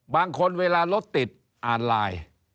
บางคนเวลารถติดอ่านไลน์